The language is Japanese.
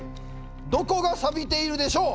どこがサビているでしょう。